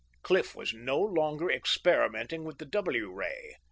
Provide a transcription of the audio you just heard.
Cliff was no longer experimenting with the W ray!